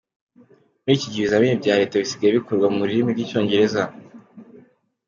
Muri iki gihe ibizamini bya Leta bisigaye bikorwa mu rurimi rw’icyongereza.